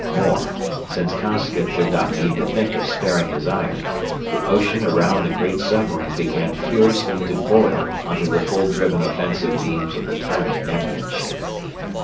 More since Costigan did not need to think of sparing his iron, the ocean around the great submarine began furiously to boil under the full driven offensive beams of the tiny Nevian ship.